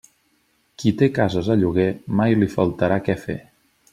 Qui té cases a lloguer, mai li faltarà què fer.